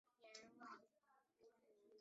粤语为炸厘。